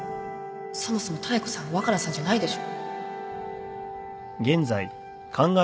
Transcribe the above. そもそも妙子さん若菜さんじゃないでしょ